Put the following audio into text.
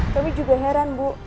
tapi juga heran bu